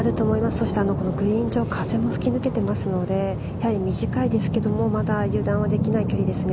そしてグリーン上、風も吹きぬけているので短いんですけれど油断はできないですね。